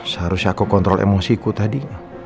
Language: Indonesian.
seharusnya aku kontrol emosiku tadi